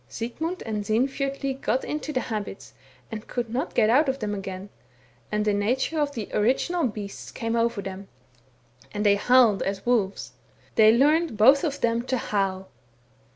Sigmund and Sinfjotli got into the habits, and could not get out of them again, and the nature of the original beasts came over them, and they howled as wolves — they learned both of them to howl.